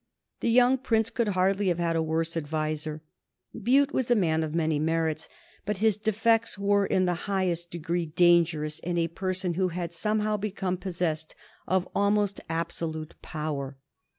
The young Prince could hardly have had a worse adviser. Bute was a man of many merits, but his defects were in the highest degree dangerous in a person who had somehow become possessed of almost absolute power.